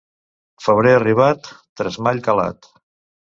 Febrer arribat, tresmall calat.